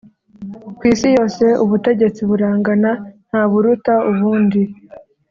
Ku isi yose ubutegetsi burangana ntaburuta ubundi